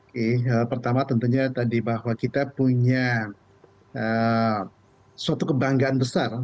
oke pertama tentunya tadi bahwa kita punya suatu kebanggaan besar